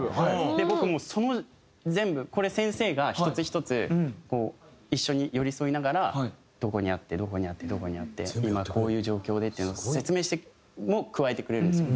で僕もうその全部これ先生が一つ一つこう一緒に寄り添いながらどこにあってどこにあって今こういう状況でっていうのを説明して加えてくれるんですよ。